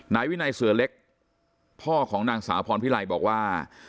นายวินัยเสือเล็กพ่อของนางสาวพรพิไลบอกว่า